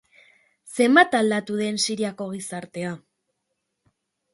Zenbat aldatu den Siriako gizartea.